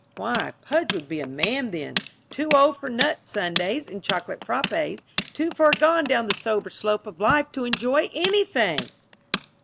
Why, Pudge would be a man then too old for nut sundaes and chocolate frappés, too far gone down the sober slope of life to enjoy anything!